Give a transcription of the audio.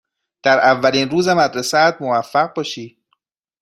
در اولین روز مدرسه ات موفق باشی.